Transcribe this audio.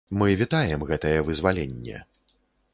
Мы вітаем гэтае вызваленне.